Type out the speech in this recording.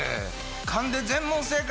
勘で全問正解？